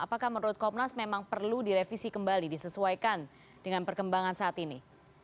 apakah menurut komnas memang perlu direvisi kembali disesuaikan dengan perkembangan saat ini